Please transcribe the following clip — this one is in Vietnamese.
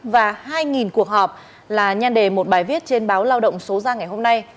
và hai cuộc họp là nhan đề một bài viết trên báo lao động số ra ngày hôm nay